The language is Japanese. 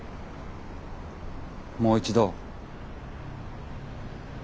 もう一度。